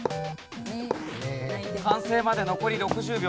完成まで残り６０秒。